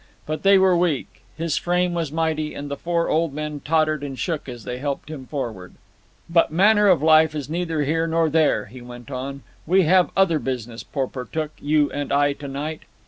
But they were weak, his frame was mighty, and the four old men tottered and shook as they helped him forward. "But manner of life is neither here nor there," he went on. "We have other business, Porportuk, you and I, to night.